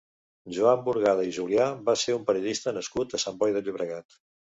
Joan Burgada i Julià va ser un periodista nascut a Sant Boi de Llobregat.